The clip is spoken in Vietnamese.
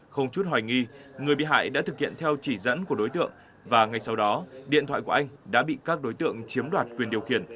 không chút hoài nghi người bị hại đã thực hiện theo chỉ dẫn của đối tượng và ngay sau đó điện thoại của anh đã bị các đối tượng chiếm đoạt quyền điều khiển